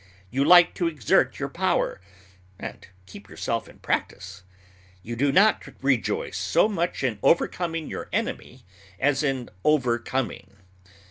You like to exert your power and keep yourself in practice. You do not rejoice so much in overcoming your enemy as in overcoming.